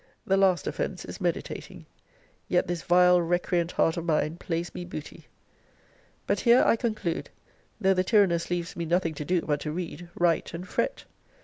The last offence is meditating. Yet this vile recreant heart of mine plays me booty. But here I conclude; though the tyranness leaves me nothing to do but to read, write, and fret.